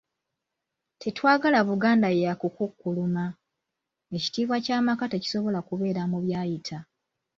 Tetwagala Buganda yakukukkuluma, ekitiibwa ky'amaka tekisobola kubeera mu byayita.